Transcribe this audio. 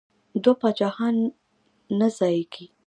دوه پاچاهان نه ځاییږي.